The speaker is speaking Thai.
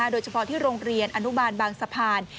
โดยเฉพาะที่โรงเรียนอนุบาลบางสะพาน